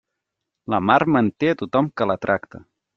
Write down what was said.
La mar manté a tothom que la tracta.